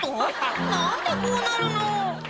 「何でこうなるの」